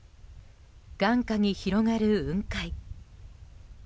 眼下に広がる雲海。